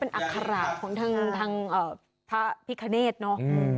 เป็นอัฆราชของทั้งทั้งเอ่อพระพิคเนธเนาะอืม